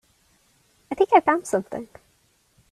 I think I found something.